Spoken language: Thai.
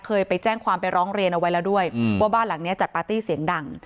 เคยไปแจ้งความไปร้องเรียนเอาไว้แล้วด้วยว่าบ้านหลังนี้จัดปาร์ตี้เสียงดัง